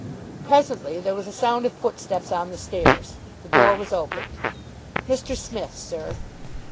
Presently there was a sound of footsteps on the stairs. The door was opened. "Mr. Smith, sir."